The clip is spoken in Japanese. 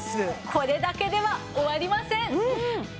これだけでは終わりませんはい！